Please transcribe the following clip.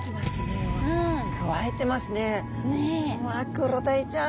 クロダイちゃん